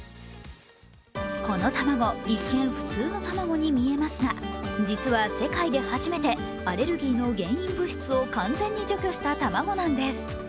この卵、一見普通の卵に見えますが、実は世界で初めてアレルギーの原因物質を完全に除去した卵なんです。